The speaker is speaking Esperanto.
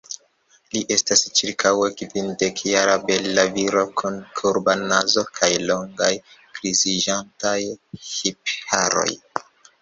Li estas ĉirkaŭe kvindekjara, bela viro kun kurba nazo kaj longaj griziĝantaj lipharoj.